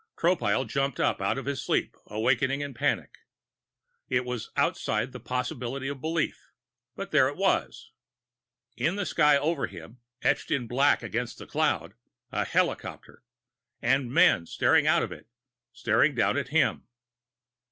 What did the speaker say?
Tropile jumped up out of his sleep, awakening to panic. It was outside the possibility of belief, but there it was: In the sky over him, etched black against a cloud, a helicopter. And men staring out of it, staring down at him.